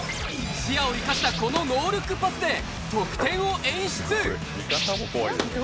視野を生かしたこのノールックパスで得点を演出。